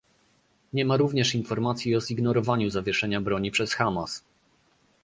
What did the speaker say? Nie ma również informacji o zignorowaniu zawieszenia broni przez Hamas